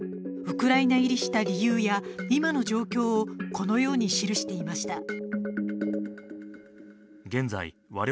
ウクライナ入りした理由や今の状況をこのように記していました。